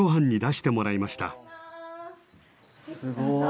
すごい！